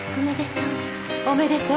おめでとう。